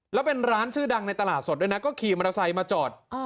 แล้วเป็นร้านชื่อดังในตลาดสดด้วยนะก็ขี่มอเตอร์ไซค์มาจอด